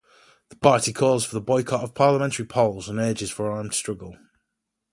The party calls for boycott of parliamentary polls, and urges for armed struggle.